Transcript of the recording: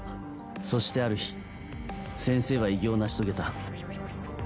そしてある日先生は偉業を成し遂げた。